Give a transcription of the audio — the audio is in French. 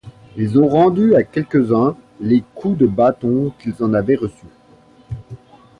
Ils ont rendu à quelques-uns les coûts de bâtons qu’ils en avaient reçus.